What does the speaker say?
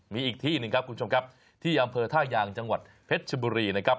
มีอีกที่หนึ่งครับคุณผู้ชมครับที่อำเภอท่ายางจังหวัดเพชรชบุรีนะครับ